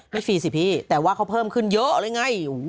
ฟรีสิพี่แต่ว่าเขาเพิ่มขึ้นเยอะเลยไง